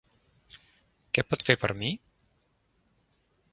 Què pot fer per mi?